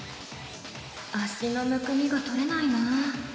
足のむくみが取れないな。